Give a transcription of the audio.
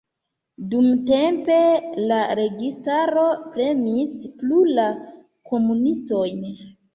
Dumtempe la registaro premis plu la komunistojn.